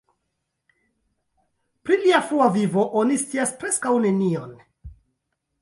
Pri lia frua vivo oni scias preskaŭ nenion.